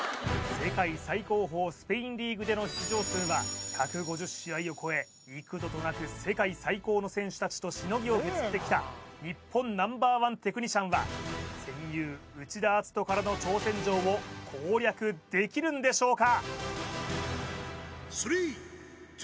世界最高峰スペインリーグでの出場数は１５０試合を超え幾度となく世界最高の選手達としのぎを削ってきた日本Ｎｏ．１テクニシャンは戦友内田篤人からの挑戦状を攻略できるんでしょうか？